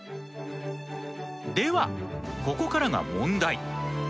ではここからが問題！